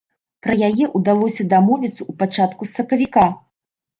Пра яе ўдалося дамовіцца ў пачатку сакавіка.